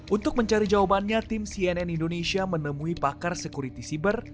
untuk mencari jawabannya tim cnn indonesia menemui pakar security siber